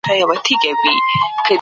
هنر د تخیل طرز لري.